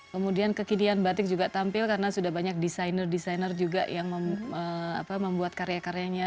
kemudian kekinian batik juga tampil karena sudah banyak desainer desainer juga yang membuat karya karyanya